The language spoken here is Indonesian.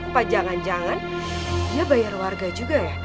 pak jangan jangan dia bayar warga juga ya